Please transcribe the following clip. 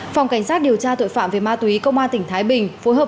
phòng cảnh sát điều tra tội phạm về ma túy công an tỉnh thái bình